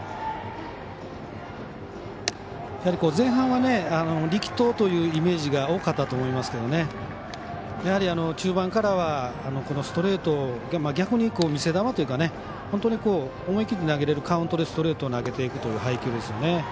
前半は力投というイメージが大きかったと思うんですけどやはり中盤からはこのストレートが逆に見せ球というか思い切って投げられるカウントでストレートを投げているという配球ですよね。